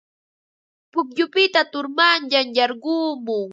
Pukyupita turmanyay yarqumun.